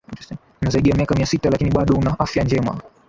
na zaidi ya miaka mia sita lakini bado una afya njema